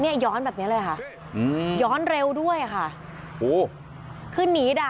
นี่ย้อนแบบนี้เลยย้อนเร็วด้วยค่ะ